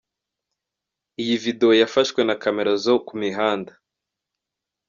Iyi Video yafashwe na camera zo ku mihanda.